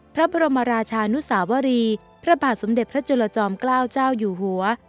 พระบรมราชานุสาวรีพระบาทสมเด็จพระจุลจอมเกล้าเจ้าอยู่หัว